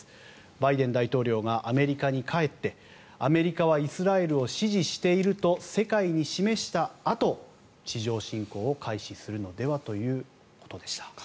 バイデン大統領がアメリカに帰ってアメリカはイスラエルを支持していると世界に示したあと地上侵攻を開始するのではということでした。